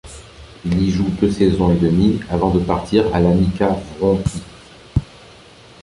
Il y joue deux saisons et demie, avant de partir à l'Amica Wronki.